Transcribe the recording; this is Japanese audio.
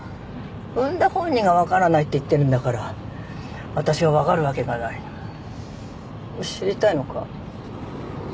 産んだ本人がわからないって言ってるんだから私がわかるわけがない知りたいのか？